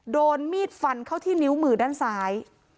โดนมีดฟันเข้าที่นิ้วมือด้านซ้าย